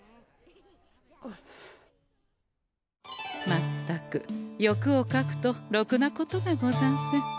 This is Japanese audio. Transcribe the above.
まったく欲をかくとろくなことがござんせん。